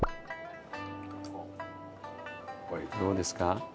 これどうですか？